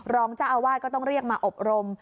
รองเจ้าอาวาสก็ต้องเรียกมาอบรม